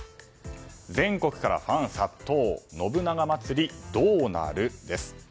全国からファン殺到信長まつりどうなる？です。